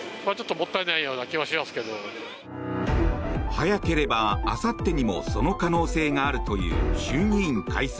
早ければ、あさってにもその可能性があるという衆議院解散。